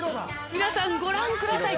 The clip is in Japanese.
皆さんご覧ください。